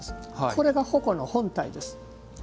これが鉾の本体です。